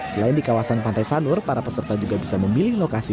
selain di kawasan pantai sanur para peserta juga bisa memilih lokasi